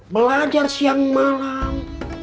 belajar siang malam